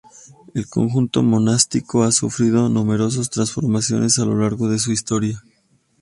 El conjunto monástico ha sufrido numerosas transformaciones a lo largo de su historia.